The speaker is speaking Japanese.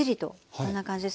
こんな感じで。